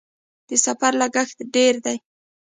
د سفر لګښت ډیر دی؟